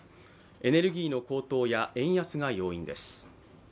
エネルギーの高騰や円安が要因です。